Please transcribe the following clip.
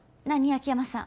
秋山さん。